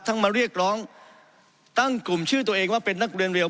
มาเรียกร้องตั้งกลุ่มชื่อตัวเองว่าเป็นนักเรียนเรียว